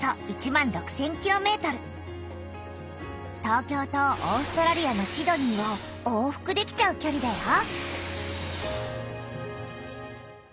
東京とオーストラリアのシドニーを往復できちゃうきょりだよ。